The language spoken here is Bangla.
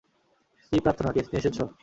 কী প্রার্থনা, কেস নিয়ে এসেছ?